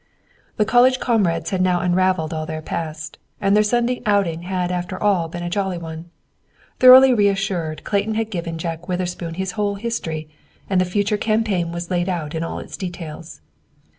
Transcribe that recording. The college comrades had now unravelled all the past, and their Sunday outing had after all been a jolly one. Thoroughly reassured, Clayton had given Jack Witherspoon his whole history, and the future campaign was laid out in all its details.